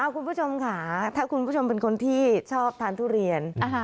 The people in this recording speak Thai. คุณผู้ชมค่ะถ้าคุณผู้ชมเป็นคนที่ชอบทานทุเรียน